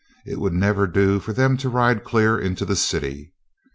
It would never do for them to ride clear into the city.